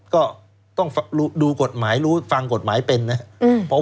ก็ต้องดูกฎหมายรู้ฟังกฎหมายเป็นนะครับ